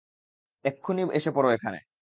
এক্ষুণি এসে পড়ো এখানে।